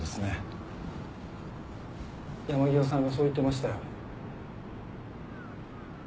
山際さんがそう言ってましたよ。